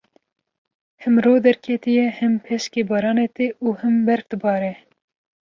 Him ro derketiye, him peşkê baranê tê û him berf dibare.